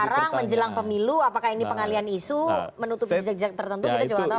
baru naik sekarang menjelang pemilu apakah ini pengalian isu menutupi jejak jejak tertentu kita juga nggak tahu